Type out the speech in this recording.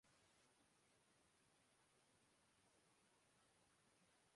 پی S L three کے کامیاب انعقاد پر پوری قوم خوشی سے نہال